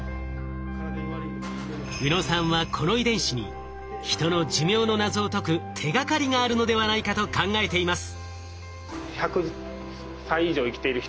宇野さんはこの遺伝子にヒトの寿命の謎を解く手がかりがあるのではないかと考えています。